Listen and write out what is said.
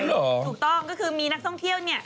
อ๋อเหรอถูกต้องก็คือมีนักท่องเที่ยว